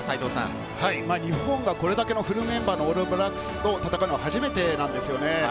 日本がこれだけフルメンバーのオールブラックスと戦うのは初めてなんですよね。